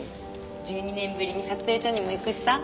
１２年ぶりに撮影所にも行くしさ。